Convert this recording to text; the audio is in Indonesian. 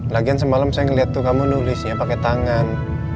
lagian semalam saya ngeliat tuh kamu nulisnya pakai tangan